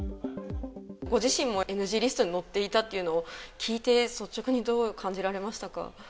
ご自身もＮＧリストに載っていたというのを聞いて、率直にどう感じられましたか？